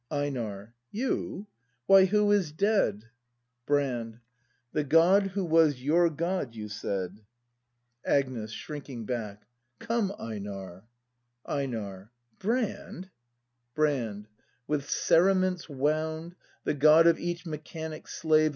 Einar. You ? Why, who is dead ? Brand. The God who was your God, you said. 38 BRAND [act i Agnes. [Shrinking back.] Come, Einar! ElXAR. Brand I Brand. With cerements wound The God of each mechanic slave.